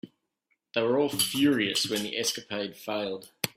They were all furious when the escapade failed.